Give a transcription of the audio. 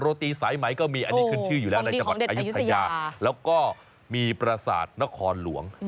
ตีสายไหมก็มีอันนี้ขึ้นชื่ออยู่แล้วในจังหวัดอายุทยาแล้วก็มีประสาทนครหลวง